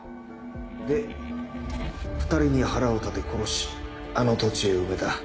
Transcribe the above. で２人に腹を立て殺しあの土地へ埋めた。